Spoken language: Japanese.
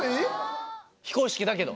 非公式だけど。